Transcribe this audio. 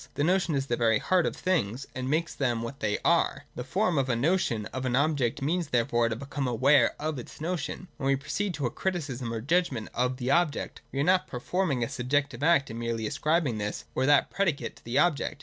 The notion is the very heart of things, and makes them what they are. To form a notion of an object means therefore to become aware of its notion : and when we proceed to a criticism or judgment of the object, we are not performing a subjective act, and merely ascribing this or that predicate to the object.